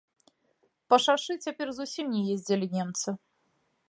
Па шашы цяпер зусім не ездзілі немцы.